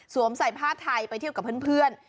ใส่ผ้าไทยไปเที่ยวกับเพื่อน